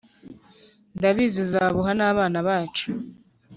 Ndabizi uzabuha nabana bacu